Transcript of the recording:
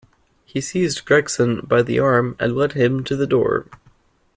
He seized Gregson by the arm and led him to the door.